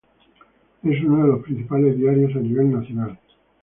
Es uno de los principales diarios a nivel nacional.